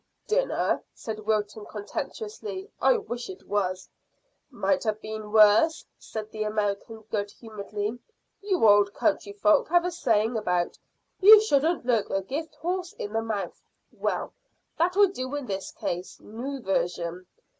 "Dinner!" said Wilton contemptuously. "I wish it was." "Might have been worse," said the American good humouredly. "You old country folk have a saying about, `You shouldn't look a gift horse in the mouth.' Well, that'll do in this case noo version.